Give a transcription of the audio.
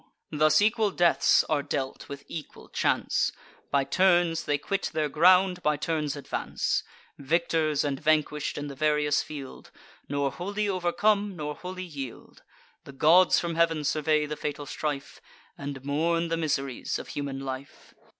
Thus equal deaths are dealt with equal chance; By turns they quit their ground, by turns advance: Victors and vanquish'd, in the various field, Nor wholly overcome, nor wholly yield. The gods from heav'n survey the fatal strife, And mourn the miseries of human life.